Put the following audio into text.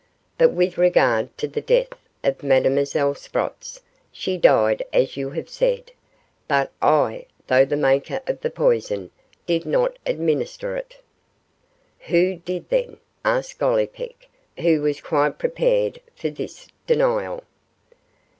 But with regard to the death of Mademoiselle Sprotts, she died as you have said; but I, though the maker of the poison, did not administer it.' 'Who did, then?' asked Gollipeck, who was quite prepared for this denial.